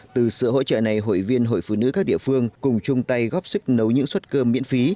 từ sự hỗ trợ này hội viên hội phụ nữ các địa phương cùng chung tay góp sức nấu những suất cơm miễn phí